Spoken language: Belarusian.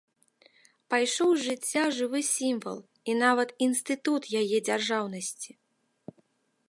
Пайшоў з жыцця жывы сімвал і нават інстытут яе дзяржаўнасці.